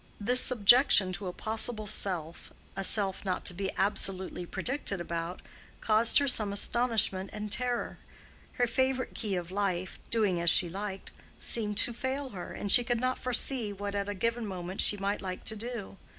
This subjection to a possible self, a self not to be absolutely predicted about, caused her some astonishment and terror; her favorite key of life—doing as she liked—seemed to fail her, and she could not foresee what at a given moment she might like to do.